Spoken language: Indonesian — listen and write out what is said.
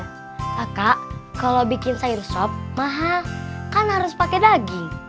kakak kalau bikin sayur sop maha kan harus pakai daging